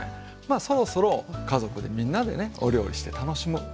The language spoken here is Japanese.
そろそろ家族でみんなでねお料理して楽しむのにもよい季節ですよね。